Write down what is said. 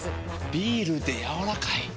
ビールでやわらかい。